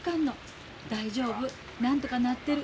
大丈夫なんとかなってる。